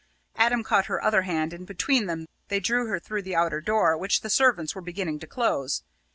Adam caught her other hand, and between them they drew her through the outer door which the servants were beginning to close.